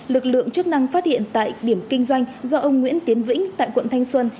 lực lượng chức năng phát hiện tại điểm kinh doanh do ông nguyễn tiến vĩnh tại quận thanh xuân